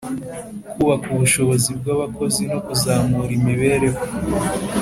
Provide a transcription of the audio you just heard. kubaka ubushobozi bw'abakozi no kuzamura imibereho